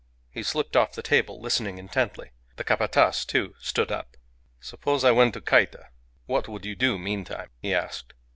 He slipped off the table, listening intently. The Capataz, too, stood up. "Suppose I went to Cayta, what would you do meantime?" he asked.